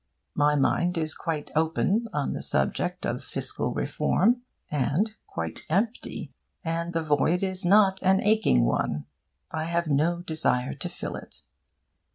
My mind is quite open on the subject of fiscal reform, and quite empty; and the void is not an aching one: I have no desire to fill it.